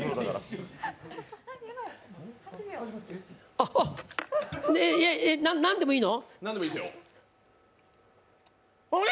あっあっ、何でもいいの？